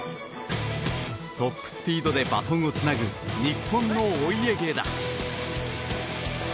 トップスピードでバトンをつなぐ日本のお家芸だ。